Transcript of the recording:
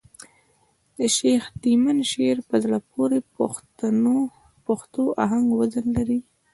د شېخ تیمن شعر په زړه پوري پښتو آهنګ وزن لري.